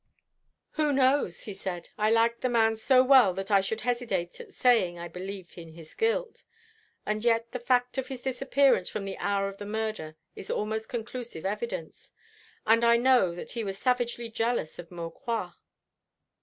"Who knows?" he said. "I liked the man so well that I should hesitate at saying I believe in his guilt. And yet the fact of his disappearance from the hour of the murder is almost conclusive evidence; and I know that he was savagely jealous of Maucroix."